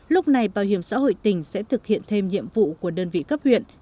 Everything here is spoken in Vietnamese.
lúc này bảo hiểm xã hội tỉnh sẽ thực hiện thêm nhiệm vụ của đơn vị cấp huyện